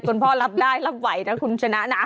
คุณพ่อรับได้รับไหวนะคุณชนะนะ